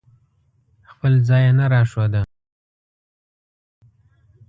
خپل ځای یې نه راښوده.